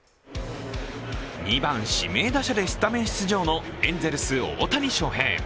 ２番・指名打者でスタメン出場のエンゼルス・大谷翔平。